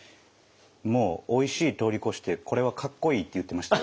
もうおいしい通り越してこれはかっこいいって言ってましたよ。